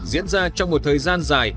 diễn ra trong một thời gian dài